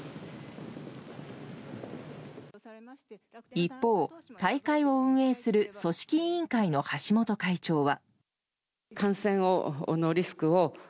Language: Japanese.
一方、大会を運営する組織委員会の橋本会長は。